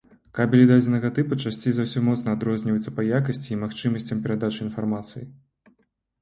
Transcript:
Кабелі дадзенага тыпу часцей за ўсё моцна адрозніваюцца па якасці і магчымасцям перадачы інфармацыі.